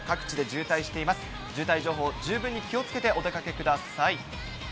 渋滞情報、十分に気をつけて、お出かけください。